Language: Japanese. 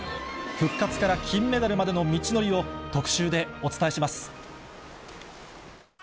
復活から金メダルまでの道のりを特集でお伝えします。